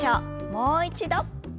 もう一度。